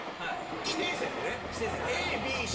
指定席で。